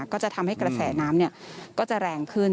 ก็จะทำให้กระแสน้ำก็จะแรงขึ้น